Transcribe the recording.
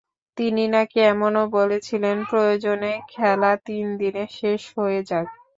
তিনি নাকি এমনও বলেছিলেন, প্রয়োজনে খেলা তিন দিনে শেষ হয়ে যাক।